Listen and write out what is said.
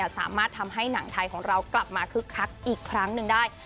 สามารถทำให้หนังไทยของเรากลับมาคึกคักอีกครั้งหนึ่งได้